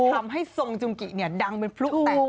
ที่จะทำให้ซองจุงกิเนี่ยดังเป็นพลุกแตกมากขึ้น